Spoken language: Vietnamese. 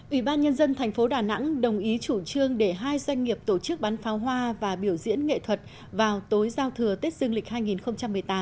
ủy ban nhân dân thành phố đà nẵng đồng ý chủ trương để hai doanh nghiệp tổ chức bắn pháo hoa và biểu diễn nghệ thuật vào tối giao thừa tết dương lịch hai nghìn một mươi tám